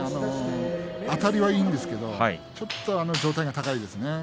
あたりはいいんですけれどちょっと上体が高いですね。